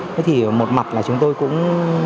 thế thì một mặt là chúng tôi cũng